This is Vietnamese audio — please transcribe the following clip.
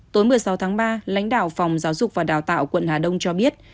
tối một mươi sáu tháng ba lãnh đạo phòng giáo dục và đào tạo quận hà đông cho biết